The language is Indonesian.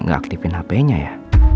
gak aktifin hpnya ya